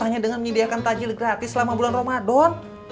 hanya dengan menyediakan tajil gratis selama bulan ramadan